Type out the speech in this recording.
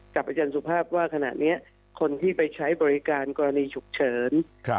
อาจารย์สุภาพว่าขณะนี้คนที่ไปใช้บริการกรณีฉุกเฉิน